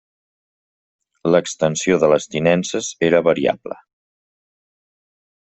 L'extensió de les tinences era variable.